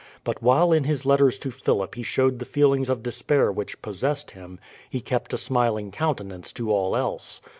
But while in his letters to Philip he showed the feelings of despair which possessed him, he kept a smiling countenance to all else.